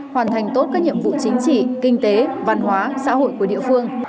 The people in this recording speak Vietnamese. hoàn thành tốt các nhiệm vụ chính trị kinh tế văn hóa xã hội của địa phương